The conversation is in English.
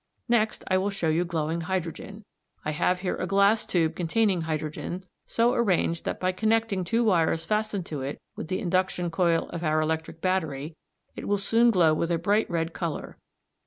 Next I will show you glowing hydrogen. I have here a glass tube containing hydrogen, so arranged that by connecting two wires fastened to it with the induction coil of our electric battery it will soon glow with a bright red colour.